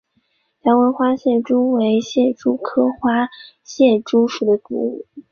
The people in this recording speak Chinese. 条纹花蟹蛛为蟹蛛科花蟹蛛属的动物。